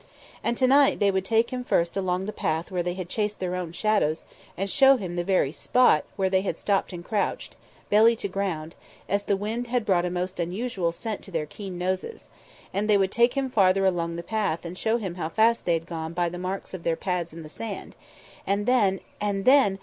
And tonight they would take Him first along the path where they had chased their own shadows and show Him the very spot where they had stopped and crouched, belly to ground, as the wind had brought a most unusual scent to their keen noses; then they would take Him further along the path and show Him how fast they had gone by the marks of their pads in the sand; and then and then!